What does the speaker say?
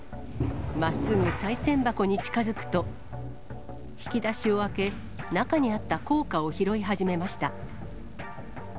まっすぐさい銭箱に近づくと、引き出しを開け、中にあった硬貨を拾い始めました。